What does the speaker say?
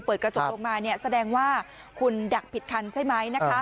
เปิดกระจกลงมาแสดงว่าคุณดักผิดคันใช่ไหม